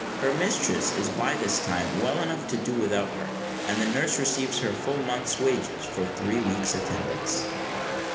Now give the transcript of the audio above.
Her mistress is by this time well enough to do without her; and the nurse receives her full month's wages for three week's attendance.